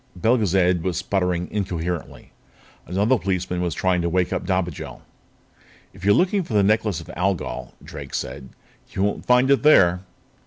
Belgezad was sputtering incoherently. Another policeman was trying to wake up Dobigel. "If you're looking for the Necklace of Algol," Drake said, "you won't find it there."